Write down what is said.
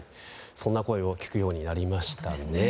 そんな声を聞くようになりましたね。